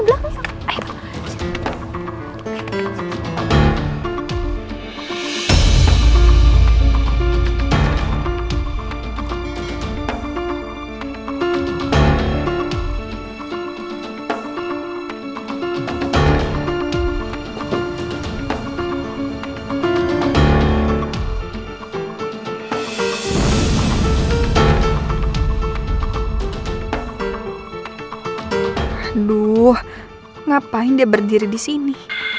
aduh ngapain dia berdiri disini